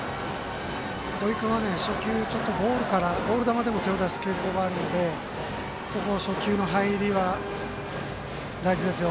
土井君は、初球ボールからボール球でも手を出す傾向があるので初球の入りは大事ですよ。